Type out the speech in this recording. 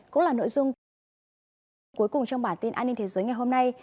cũng là nội dung cuối cùng trong bản tin an ninh thế giới ngày hôm nay